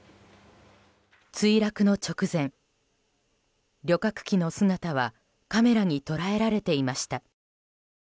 墜落の直前、旅客機の姿はカメラに捉えられていました。